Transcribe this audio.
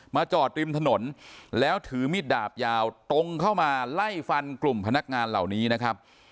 จอดริมถนนแล้วถือมีดดาบยาวตรงเข้ามาไล่ฟันกลุ่มพนักงานเหล่านี้นะครับ